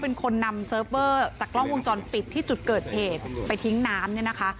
เป็นคนนำเซิร์ฟเวอร์จากกล้องวงจรปิดที่จุดเกิดเหตุไปทิ้งน้ำเนี่ยนะคะ